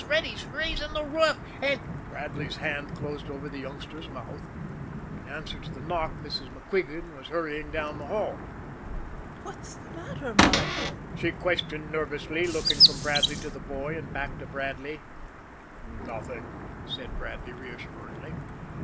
Reddy's raisin' the roof, an' " Bradley's hand closed over the youngster's mouth. In answer to the knock, Mrs. MacQuigan was hurrying down the hall. "What's the matter, Martin?" she questioned nervously, looking from Bradley to the boy and back again to Bradley. "Nothing," said Bradley reassuringly.